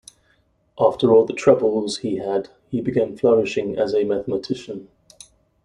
After all the troubles he had, he began flourishing as a mathematician.